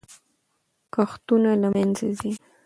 کښتونه له منځه ځي.